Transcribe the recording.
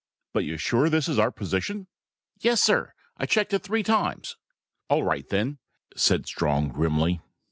"But you're sure this is our position?" "Yes, sir. I checked it three times." "All right, then," said Strong grimly.